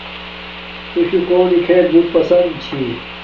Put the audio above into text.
تو شوہ کونی کیھل بوت پسند چھی